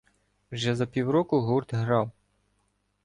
Вже за півроку гурт грав